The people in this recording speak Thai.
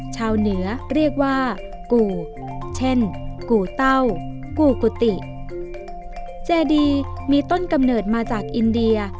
เจดีมีต้นกำเนิดมาจากอินเดีย